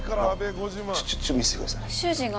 ちょ見せてください。